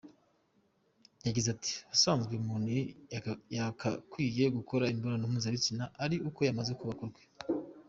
Yagize ati : “Mu busanzwe umuntu yagakwiye gukora imibonano mpuzabitsina ari uko yamaze kubaka urwe.